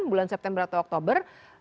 bulan september atau oktober